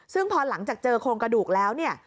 ซึ่งพอหลังจากเจอโครงกระดูกแล้วเนี่ย